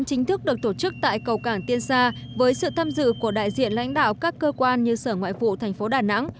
chính thức được tổ chức tại cầu cảng tiên sa với sự tham dự của đại diện lãnh đạo các cơ quan như sở ngoại vụ thành phố đà nẵng